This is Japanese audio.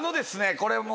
これもう。